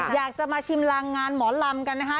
อยากจะมาชิมรางงานหมอลำกันนะคะ